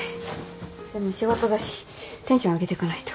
でも仕事だしテンション上げてかないと。